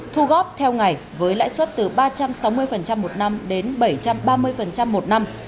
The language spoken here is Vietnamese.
thu góp theo ngày với lãi suất từ ba trăm sáu mươi một năm đến bảy trăm ba mươi một năm